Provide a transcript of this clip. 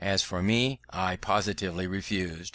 As for me, I positively refused.